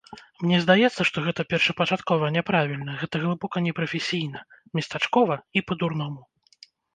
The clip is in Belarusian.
Мне здаецца, што гэта першапачаткова няправільна, гэта глыбока непрафесійна, местачкова і па-дурному.